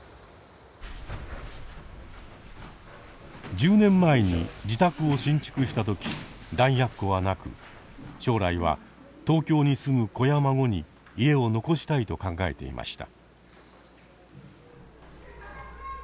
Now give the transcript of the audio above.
１０年前に自宅を新築した時弾薬庫はなく将来は東京に住む子や孫に家を残したいと考えていました。